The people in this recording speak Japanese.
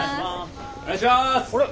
お願いします！